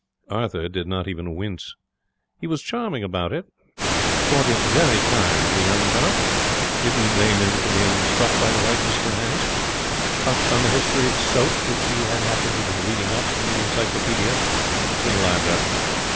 Arthur did not even wince. He was charming about it. Thought it very kind of the young fellow. Didn't blame him for being struck by the whiteness of her hands. Touched on the history of soap, which he happened to have been reading up in the encyclopedia at the free library.